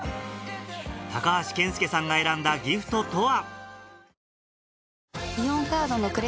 高橋健介さんが選んだギフトとは？